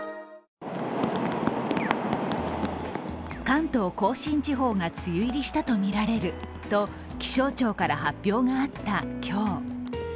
関東甲信地方が梅雨入りしたとみられると気象庁から発表があった今日。